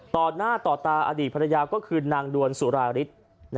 ต่อหน้าต่อตาอดีตภรรยาก็คือนางดวนสุราฤทธิ์